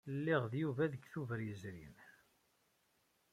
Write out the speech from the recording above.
Lliɣ d Yuba deg Tubeṛ yezrin.